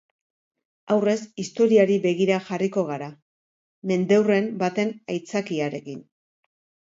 Aurrez, historiari begira jarriko gara, mendeurren baten aitzakiarekin.